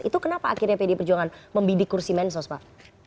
itu kenapa akhirnya pdi perjuangan membidik kursi mensos pak